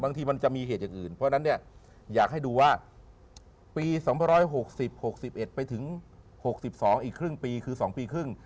บางทีมันจะมีเหตุอย่างอื่นเพราะฉะนั้นเนี่ยอยากให้ดูว่าปี๒๖๐๖๑ไปถึง๖๒อีกครึ่งปีคือ๒ปีครึ่ง